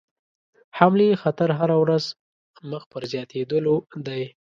حملې خطر هره ورځ مخ پر زیاتېدلو دی.